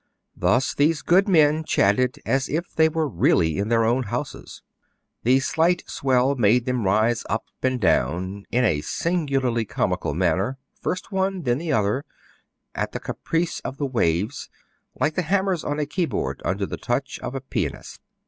Thus these good men chatted as if they were really in their own houses. The slight swell made them rise up and down in a singularly comical manner — first one, then the other — at the ca price of the waves, like the hammers on a key board under the touch of a pianist.